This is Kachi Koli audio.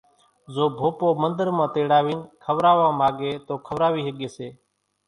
زو ڀوپو منۮر مان تيڙاوين کوراوا ماڳي توئي کوراوي ۿڳي سي۔